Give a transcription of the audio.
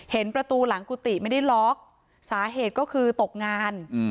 ประตูหลังกุฏิไม่ได้ล็อกสาเหตุก็คือตกงาน